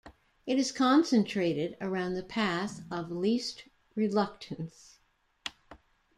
It is concentrated around the path of least reluctance.